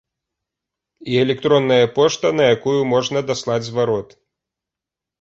І электронная пошта, на якую можна даслаць зварот.